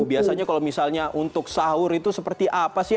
biasanya kalau misalnya untuk sahur itu seperti apa sih